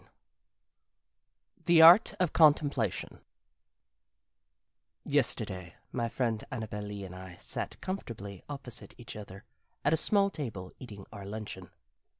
XIX THE ART OF CONTEMPLATION Yesterday my friend Annabel Lee and I sat comfortably opposite each other at a small table, eating our luncheon.